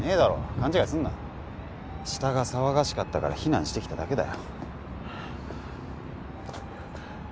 勘違いすんな下が騒がしかったから避難してきただけだよ